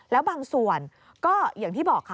แล้วบางส่วนก็อย่างที่บอกค่ะ